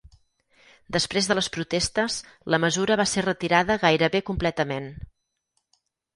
Després de les protestes, la mesura va ser retirada gairebé completament.